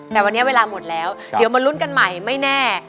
แต่วันนี้เวลาหมดแล้วเดี๋ยวมาลุ้นกันใหม่ไม่แน่